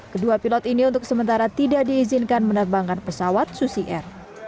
kedua pilot ini untuk sementara tidak diizinkan menerbangkan pesawat susi air